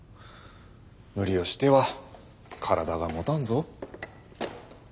無理をしては体がもたんぞ。